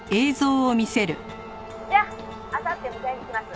「じゃああさって迎えに来ます」